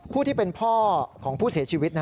ผู้ที่เป็นพ่อของผู้เสียชีวิต